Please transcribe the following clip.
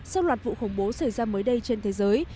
sau loạt vụ khủng bố xảy ra mới đây trên thế giới